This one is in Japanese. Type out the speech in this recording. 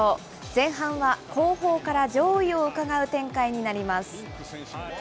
前半は後方から上位をうかがう展開になります。